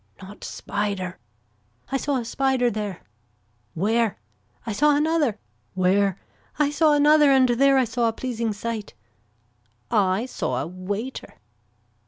Not spider. I saw a spider there. Where. I saw another. Where. I saw another and there I saw a pleasing sight. I saw a waiter.